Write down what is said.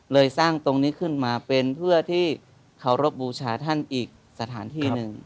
สร้างตรงนี้ขึ้นมาเป็นเพื่อที่เคารพบูชาท่านอีกสถานที่หนึ่ง